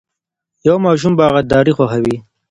یو ماشوم باغداري خوښوي.